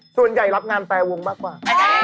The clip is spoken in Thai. ส่วนใหญ่รับงานแปรวงมากกว่า